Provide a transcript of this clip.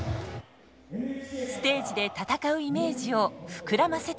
ステージで戦うイメージを膨らませていました。